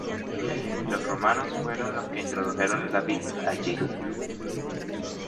Los romanos fueron los que introdujeron la vid allí.